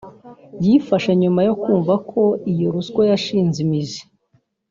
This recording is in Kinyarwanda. yifashe nyuma yo kumva iyo ruswa yashinze imizi